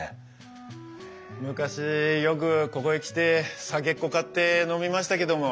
昔よくここへ来て酒っこ買って飲みましたけども。